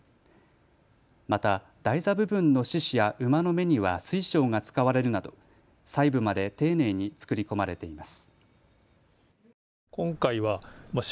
また台座部分の獅子や馬の目には水晶が使われるなど細部まで丁寧に作り込まれています。